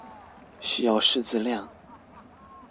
需要識字量